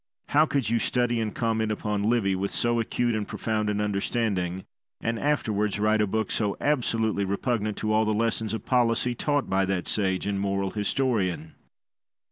How could you study and comment upon Livy with so acute and profound an understanding, and afterwards write a book so absolutely repugnant to all the lessons of policy taught by that sage and moral historian?